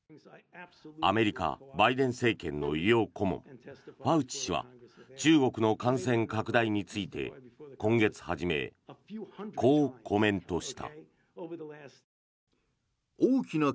アメリカバイデン政権の医療顧問ファウチ氏は中国の感染拡大について今月初め、こうコメントした。